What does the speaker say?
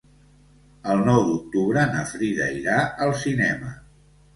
El nou d'octubre na Frida irà al cinema.